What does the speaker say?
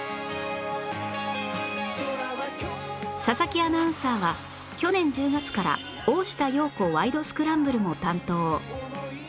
佐々木アナウンサーは去年１０月から『大下容子ワイド！スクランブル』も担当